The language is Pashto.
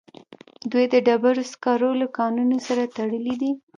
دوی د ډبرو سکارو له کانونو سره تړلي دي